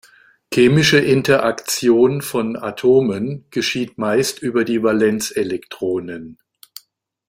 Chemische Interaktion von Atomen geschieht meist über die Valenzelektronen.